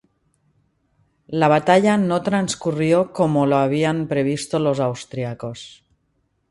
La batalla no transcurrió como lo habían previsto los austriacos.